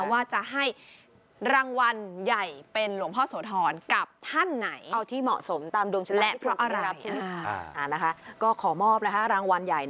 ว่าจะให้รางวัลใหญ่เป็นหลวงพ่อโสธรกับท่านไหน